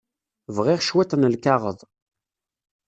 Bɣiɣ cwiṭ n lkaɣeḍ.